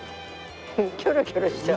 キョロキョロしちゃう。